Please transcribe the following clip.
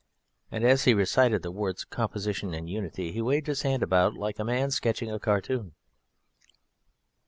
And as he recited the words "composition" and "unity" he waved his hand about like a man sketching a cartoon.